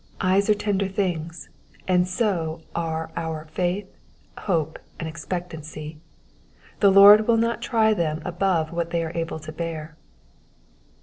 Eyes are tender things, and so are our faith, hope and expectancy : the Lord will not try them above what they are able to bear.